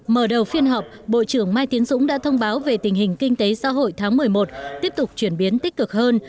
mở đầu phiên họp bộ trưởng mai tiến dũng đã thông báo về tình hình kinh tế xã hội tháng một mươi một tiếp tục chuyển biến tích cực hơn